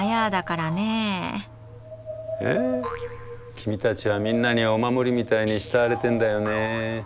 君たちはみんなにお守りみたいに慕われてんだよね。